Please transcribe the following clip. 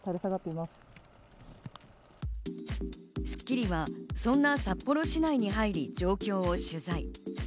『スッキリ』は、そんな札幌市内に入り、状況を取材。